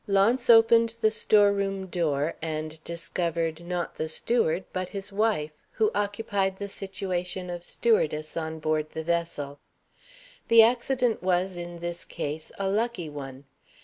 Launce opened the store room door, and discovered, not the steward, but his wife, who occupied the situation of stewardess on board the vessel. The accident was, in this case, a lucky one.